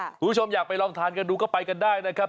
คุณผู้ชมอยากไปลองทานกันดูก็ไปกันได้นะครับ